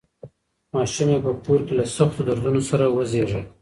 ماشوم یې په کور کې له سختو دردونو سره وزېږېد.